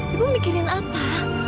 ibu mikirin apa